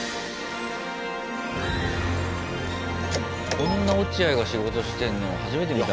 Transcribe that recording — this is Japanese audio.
こんな落合が仕事してんの初めて見た。